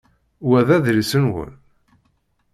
Wa d adlis-nwen?